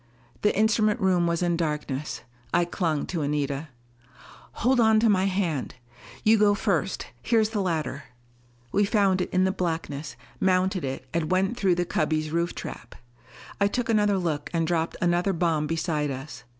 The instrument room was in darkness. I clung to Anita. "Hold on to my hand. You go first here is the ladder!" We found it in the blackness, mounted it and went through the cubby's roof trap. I took another look and dropped another bomb beside us.